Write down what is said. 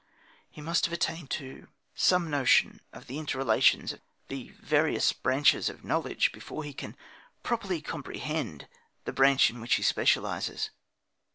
He must have attained to some notion of the inter relations of the various branches of knowledge before he can properly comprehend the branch in which he specialises.